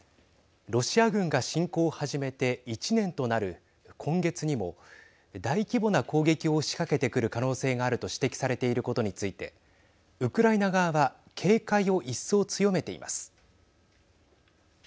ロシア軍が侵攻を始めて１年となる今月にも大規模な攻撃を仕掛けてくる可能性があると指摘されていることについてウクライナ側は警戒を一層強めています。